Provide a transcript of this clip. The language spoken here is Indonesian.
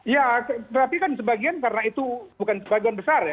ya tapi kan sebagian karena itu bukan sebagian besar ya